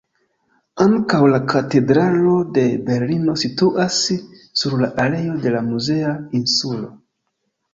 Ankaŭ la Katedralo de Berlino situas sur la areo de la muzea insulo.